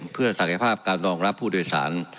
เพื่อศักยภาพการรองรับผู้โดยสาร